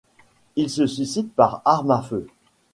Il se suicide par arme à feu.